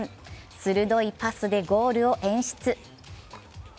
鋭いパスでゴールを演出。